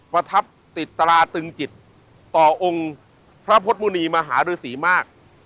ประทับติดตราตึงจิตต่อองค์พระพุทธมุณีมหาฤษีมาก